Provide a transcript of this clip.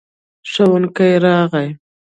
ښوونکی راغی.